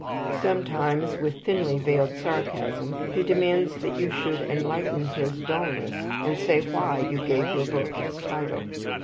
Sometimes, with thinly veiled sarcasm, he demands that you should "enlighten his dulness," and say why you gave your book its title.